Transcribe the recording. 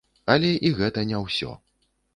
Але і гэта не ўсё!